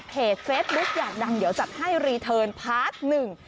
เฟซบุ๊กอยากดังเดี๋ยวจัดให้รีเทิร์นพาร์ทหนึ่ง